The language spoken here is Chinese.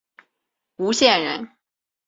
吴县人。